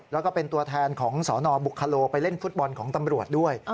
แล้วก็เป็นตัวแทนของสนบุคโลไปเล่นฟุตบอลของตำรวจด้วย